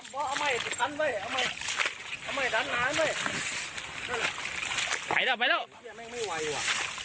ไปแล้วไปแล้วแม่งไม่ไหววะ